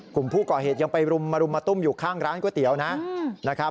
กลุ่มผู้ก่อเหตุยังไปรุมมารุมมาตุ้มอยู่ข้างร้านก๋วยเตี๋ยวนะครับ